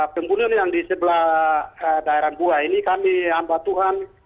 pembunuhan yang di sebelah daerah bua ini kami ambil tuhan